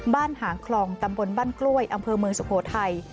หางคลองตำบลบ้านกล้วยอำเภอเมืองสุโขทัย